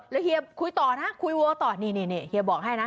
แล้วเฮียคุยต่อนะคุยวัวต่อนี่เฮียบอกให้นะ